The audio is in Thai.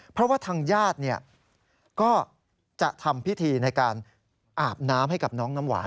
เพราะว่าทางญาติก็จะทำพิธีในการอาบน้ำให้กับน้องน้ำหวาน